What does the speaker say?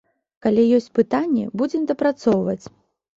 Калі ёсць пытанні, будзем дапрацоўваць.